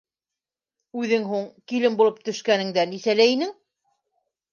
Үҙең һуң, килен булып төшкәнеңдә, нисәлә инең?